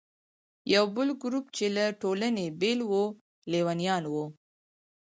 یو بل ګروپ چې له ټولنې بېل و، لیونیان وو.